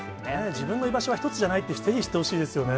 自分の居場所は一つじゃないって、ぜひ知ってほしいですよね。